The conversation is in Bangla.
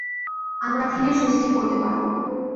আমরা ধীরে সুস্থে করতে পারবো।